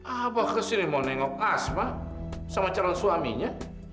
apa ke sini mau nengok asma sama calon suaminya